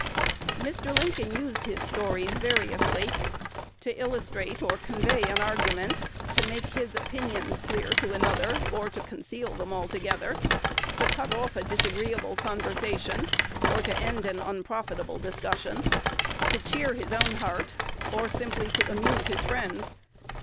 Mr. Lincoln used his stories variously, to illustrate or convey an argument; to make his opinions clear to another, or conceal them altogether; to cut off a disagreeable conversation, or to end an unprofitable discussion; to cheer his own heart, or simply to amuse his friends.